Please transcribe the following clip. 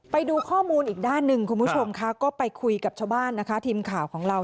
ไปดูข้อมูลอีกด้านหนึ่งคุณผู้ชมค่ะก็ไปคุยกับชาวบ้านนะคะทีมข่าวของเรา